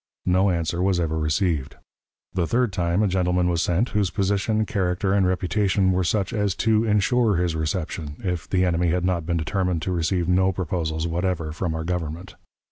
No answer was ever received. The third time a gentleman was sent whose position, character, and reputation were such as to insure his reception, if the enemy had not been determined to receive no proposals whatever from our Government.